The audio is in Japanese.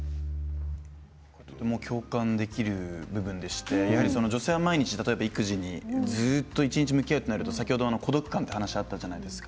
とても共感できる部分でして女性は毎日、例えば育児にずっと一日向き合っているとなると先ほど孤独感という話があったじゃないですか。